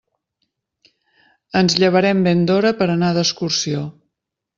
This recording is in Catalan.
Ens llevarem ben d'hora per anar d'excursió.